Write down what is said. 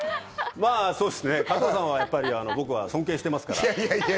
まぁそうすね、加藤さんは僕は尊敬してますから。